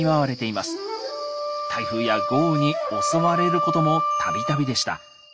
台風や豪雨に襲われることも度々でした。